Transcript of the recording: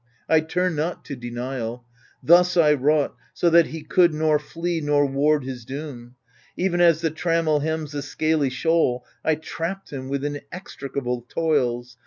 I turn not to denial : thus I wrought So that he could nor flee nor ward his doom. Even as the trammel hems the scaly shoal, I trapped him with inextricable toils.